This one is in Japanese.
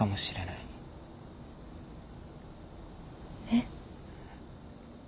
えっ？